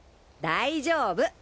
大丈夫。